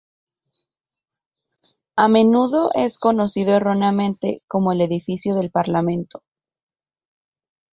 A menudo es conocido erróneamente como el edificio del Parlamento.